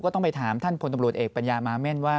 ต้องไปถามท่านพลตำรวจเอกปัญญามาเม่นว่า